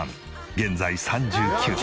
現在３９歳。